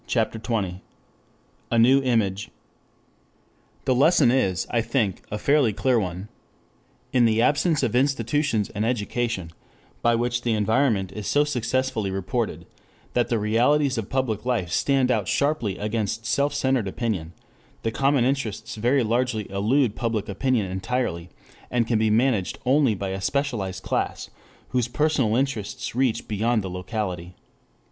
] CHAPTER XX A NEW IMAGE 1 THE lesson is, I think, a fairly clear one. In the absence of institutions and education by which the environment is so successfully reported that the realities of public life stand out sharply against self centered opinion, the common interests very largely elude public opinion entirely, and can be managed only by a specialized class whose personal interests reach beyond the locality.